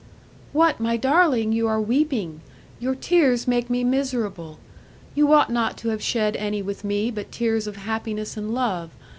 "What, my darling! you are weeping! Your tears make me miserable. You ought not to have shed any with me but tears of happiness and love.